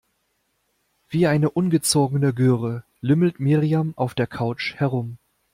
Wie eine ungezogene Göre lümmelt Miriam auf der Couch herum.